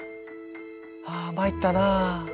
「あ参ったな。